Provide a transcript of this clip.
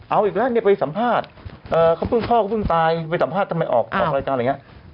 เอาอีกแล้วเนี่ยไปสัมภาษณ์เขาเพิ่งพ่อเขาเพิ่งตายไปสัมภาษณ์ทำไมออกรายการอะไรอย่างนี้